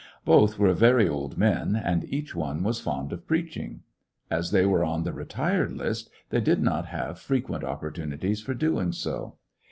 Both were very old men, and each one was fond of preaching. As they were on the retired list, they did not have frequent opportunities for doing so.